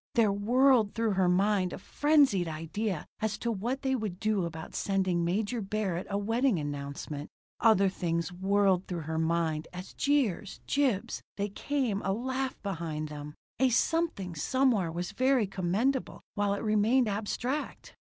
There whirled through her mind a frenzied idea as to what they would do about sending Major Barrett a wedding announcement. Other things whirled through her mind as jeers, jibes, they came, a laugh behind them. A something somewhere was very commendable while it remained abstract!